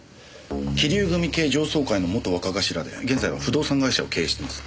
貴龍組系城宗会の元若頭で現在は不動産会社を経営しています。